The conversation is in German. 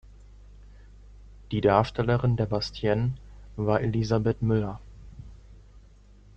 Die Darstellerin der Bastienne war Elisabeth Müller.